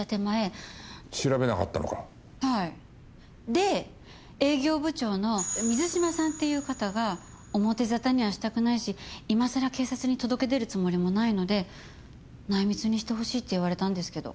で営業部長の水島さんっていう方が表沙汰にはしたくないし今さら警察に届け出るつもりもないので内密にしてほしいって言われたんですけど。